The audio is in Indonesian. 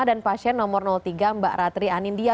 dan pasien nomor tiga mbak ratri anindya